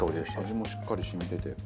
味もしっかり染みてて。